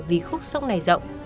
vì khúc sông này rộng